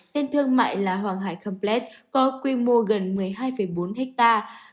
tên thương mại là hoàng hải complex có quy mô gần một mươi hai bốn hectare